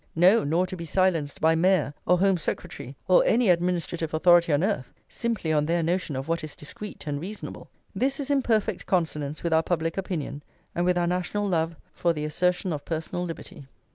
No, nor to be silenced by Mayor, or Home Secretary, or any administrative authority on earth, simply on their notion of what is discreet and reasonable! This is in perfect consonance with our public opinion, and with our national love for the assertion of personal liberty.